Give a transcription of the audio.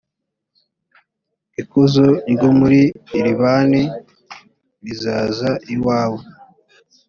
ikuzo ryo muri libani rizaza iwawe